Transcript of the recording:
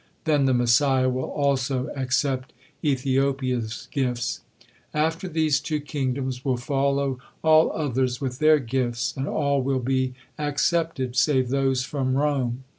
Then the Messiah will also accept Ethiopia's gifts. After these two kingdoms will follow all others with their gifts, and all will be accepted save those from Rome.